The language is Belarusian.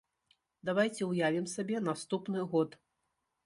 Давайце ўявім сабе наступны год.